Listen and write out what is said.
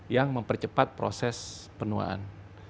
yang mempercepat proses penuaan